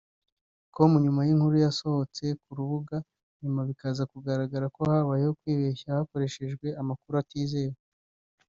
com nyuma y’inkuru yasohotse ku rubuga nyuma bikaza kugaragara ko habayeho kwibeshya hakoreshwa amakuru atizewe